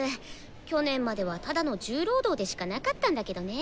去年まではただの重労働でしかなかったんだけどね。